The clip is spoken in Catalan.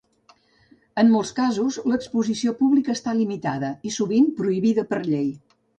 En molts casos, l'exposició pública està limitada, i sovint prohibida per llei.